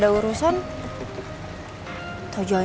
aku penasaran gak ada urusan